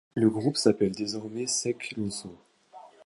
Le groupe s'appelle désormais Sek Loso.